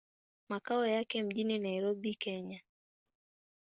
Makao yake mjini Nairobi, Kenya.